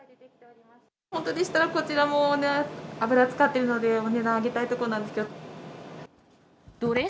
本当でしたら、こちらも油使ってるので、お値段上げたいところなんですけど。